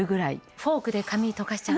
フォークで髪とかしちゃうみたいな。